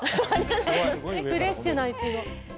フレッシュないちご。